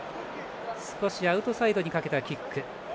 少しアウトサイドにかけたキック。